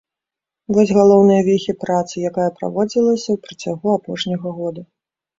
Вось галоўныя вехі працы, якая праводзілася ў працягу апошняга года.